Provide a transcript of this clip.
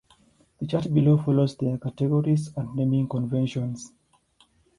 The chart below follows their categories and naming conventions.